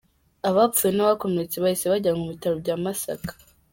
Abapfuye n’abakomeretse bahise bajyanwa mu bitaro bya Masaka.